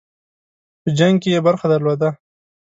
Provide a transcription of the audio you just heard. په جنګ کې یې برخه درلوده.